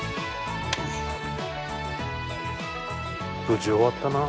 無事終わったな。